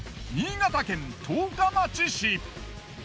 新潟県十日町市。